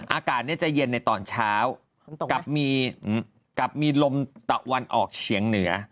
อากาศจะเย็นในตอนเช้ากับมีลมตะวันออกเฉียงเหนือ